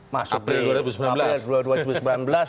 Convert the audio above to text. masuk di april dua ribu sembilan belas april dua ribu sembilan belas